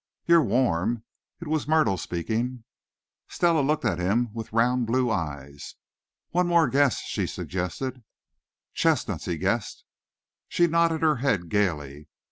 "You're warm." It was Myrtle speaking. Stella looked at him with round blue eyes. "One more guess," she suggested. "Chestnuts!" he guessed. She nodded her head gaily.